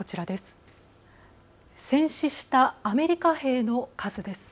戦死したアメリカ兵の数です。